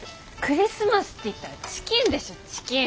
クリスマスっていったらチキンでしょチキン。